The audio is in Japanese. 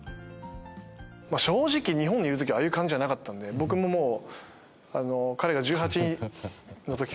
正直日本にいる時はああいう感じじゃなかったんで僕ももう。